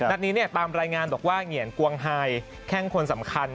อันนี้นี่ตามรายงานและบอกว่าเหงียนกวงฮายแค่งควรสำคัญ